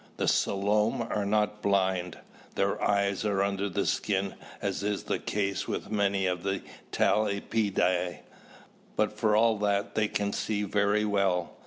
The Selom are not blind. Their eyes are under the skin as is the case with many of the talpidae, but for all that they can see very well.